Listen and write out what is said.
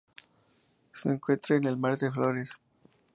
Se encuentra en el Mar de Flores.